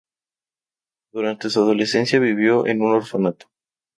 Durante su adolescencia vivió en un orfanato.